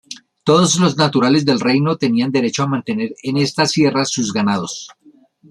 Todos los naturales del reino tenían derecho a mantener en esta sierra sus ganados.